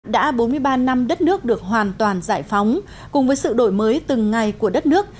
đã bốn mươi ba năm đất nước được hoàn toàn giải phóng cùng với sự đổi mới từng ngày của đất nước